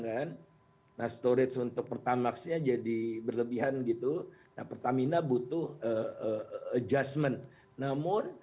kan nah storage untuk pertamaxnya jadi berlebihan gitu nah pertamina butuh adjustment namun